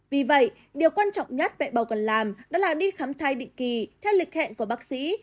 vì vậy điều quan trọng nhất mẹ bầu còn làm đó là đi khám thai định kỳ theo lịch hẹn của bác sĩ